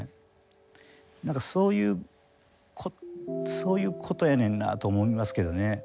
何かそういうことやねんなと思いますけどね。